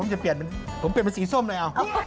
ผมจะเปลี่ยนเป็นสีส้มเลย